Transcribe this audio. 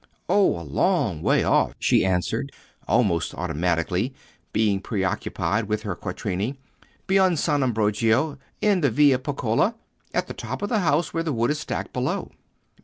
"Oh, a long way off," she answered, almost automatically, being preoccupied with her quattrini; "beyond San Ambrogio, in the Via Piccola, at the top of the house where the wood is stacked below."